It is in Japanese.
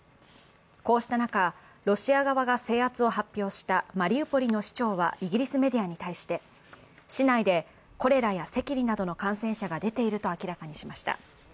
こうした中、ロシア側が制圧を発表したマリウポリの市長はイギリスメディアに対して市内でコレラや赤痢などの感染者が出ていると明らかにしました。